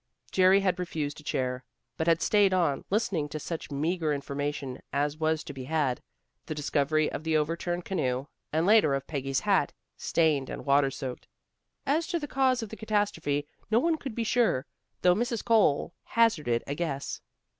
Jerry had refused a chair, but had stayed on, listening to such meagre information as was to be had, the discovery of the overturned canoe, and later of Peggy's hat, stained and water soaked. As to the cause of the catastrophe no one could be sure, though Mrs. Cole hazarded a guess.